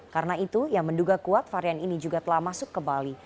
karena itu ia menduga kuat varian ini juga telah masuk ke bali